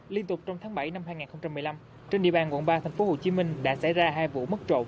liên tục trong tháng bảy năm hai nghìn một mươi năm trên địa bàn quận ba tp hcm đã xảy ra hai vụ mất trộm